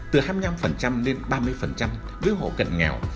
từ hai mươi năm lên ba mươi với hộ cận nghèo